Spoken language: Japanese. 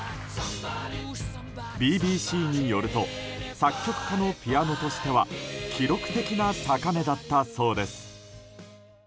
ＢＢＣによると作曲家のピアノとしては記録的な高値だったそうです。